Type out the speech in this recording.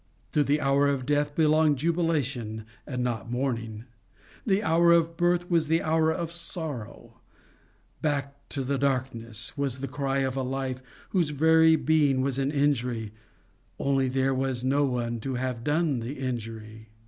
To the hour of death belonged jubilation and not mourning; the hour of birth was the hour of sorrow. Back to the darkness! was the cry of a life whose very being was an injury, only there was no one to have done the injury.